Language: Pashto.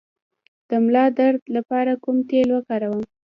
د ملا درد لپاره کوم تېل وکاروم؟